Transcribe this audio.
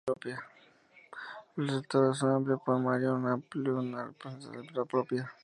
El resultado es un poemario amplio con una personalidad propia.